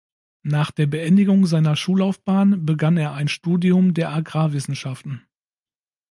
Nach der Beendigung seiner Schullaufbahn begann er ein Studium der Agrarwissenschaften.